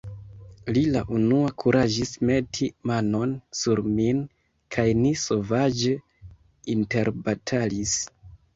Li la unua kuraĝis meti manon sur min, kaj ni sovaĝe interbatalis.